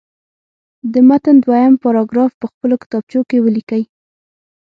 د متن دویم پاراګراف په خپلو کتابچو کې ولیکئ.